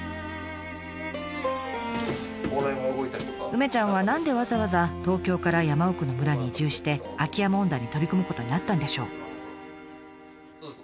梅ちゃんは何でわざわざ東京から山奥の村に移住して空き家問題に取り組むことになったんでしょう？